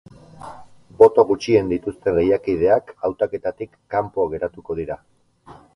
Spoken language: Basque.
Boto gutxien dituzten lehiakideak hautaketatik kanpo geratuko dira.